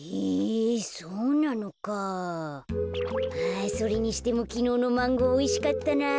あそれにしてもきのうのマンゴーおいしかったなぁ。